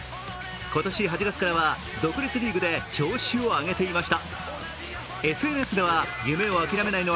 今年８月からは独立リーグで調子を上げていました。